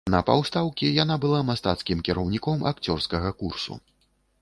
На паўстаўкі яна была мастацкім кіраўніком акцёрскага курсу.